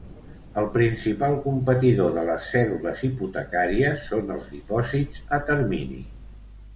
El principal competidor de les cèdules hipotecàries són els dipòsits a termini.